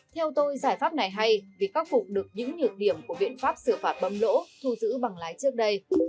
theo tôi giải pháp này hay vì có phục được những nhược điểm của biện pháp sửa phạt bấm lỗ thu giữ bằng lái trước đây